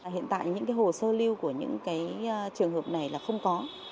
hiện tại những hồ sơ lưu của những cái trường hợp này là không có